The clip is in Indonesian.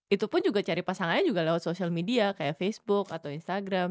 itu pun juga cari pasangannya juga lewat social media kayak facebook atau instagram